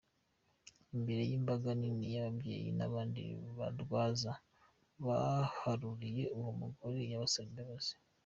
Imbere y’imbaga nini y’ababyeyi n’abandi barwaza bahururiye uwo mugore yabasabye imbabazi.